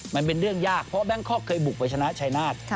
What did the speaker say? มันเป็นเรื่องยากเพราะแบงคอกเคยบุกไปชนะชายนาฏ